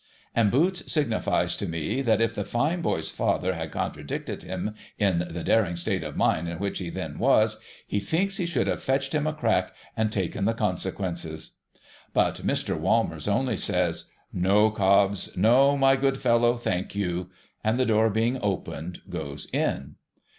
And Boots signifies to me, that, if the fine boy's father had contradicted him in the daring state of mind in which he then was, he thinks he should have ' fetched him a crack,' and taken the consequences. But Mr. \\'almers only says, ' No, Cobbs. No, my good fellow. Thank you !' And, the door being opened, goes in.